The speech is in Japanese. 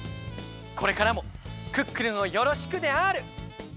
これからも「クックルン」をよろしくである！